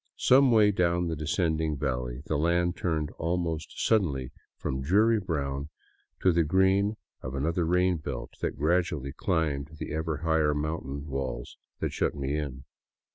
Some way down the descending valley, the land turned almost suddenly from dreary brown to the green of another rain belt that gradually climbed the ever higher mountain walls that shut me in.